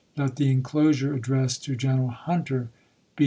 mont, let the inclosure addressed to General Hunter be iii.